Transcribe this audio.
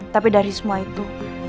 tapi dari semua itu